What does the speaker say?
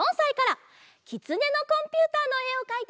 「きつねのコンピューター」のえをかいてくれました。